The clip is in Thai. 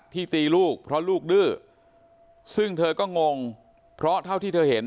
ตีลูกเพราะลูกดื้อซึ่งเธอก็งงเพราะเท่าที่เธอเห็น